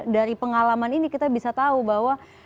dari pengalaman ini kita bisa tahu bahwa